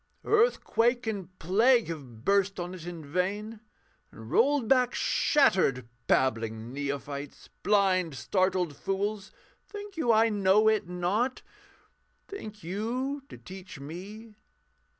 Earthquake and plague have burst on it in vain And rolled back shattered Babbling neophytes! Blind, startled fools think you I know it not? Think you to teach me?